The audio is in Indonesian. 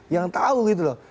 yang tahu gitu loh